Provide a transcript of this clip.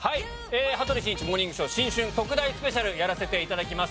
『羽鳥慎一モーニングショー』新春特大スペシャルやらせて頂きます。